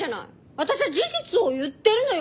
私は事実を言ってるのよ。